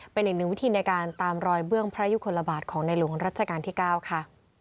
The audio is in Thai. เป็นอีกหนึ่งวิธีในการตามรอยเบื้องพระยุคลบาทของในหลวงรัชกาลที่๙ค่ะ